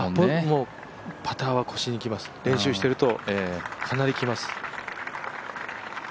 もう、パターは腰にきます、練習してるとかなりきます。